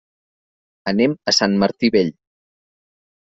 Anem a Sant Martí Vell.